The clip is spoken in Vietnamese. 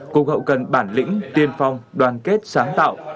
cục hậu cần bản lĩnh tiên phong đoàn kết sáng tạo